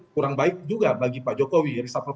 kurang baik juga bagi pak jokowi reshuffle